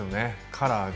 カラーが。